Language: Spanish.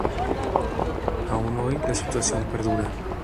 Aún hoy la situación perdura.